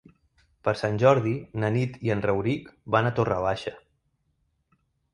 Per Sant Jordi na Nit i en Rauric van a Torre Baixa.